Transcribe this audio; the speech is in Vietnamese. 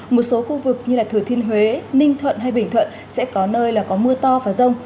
một số khu vực như thừa thiên huế ninh thuận hay bình thuận sẽ có nơi là có mưa to và rông